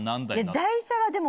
台車はでも。